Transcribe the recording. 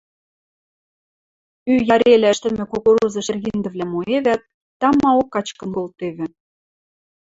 Ӱ ярелӓ ӹштӹмӹ кукуруза шергиндӹвлӓм моэвӓт, тамаок качкын колтевӹ.